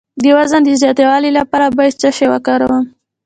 د وزن د زیاتولو لپاره باید څه شی وکاروم؟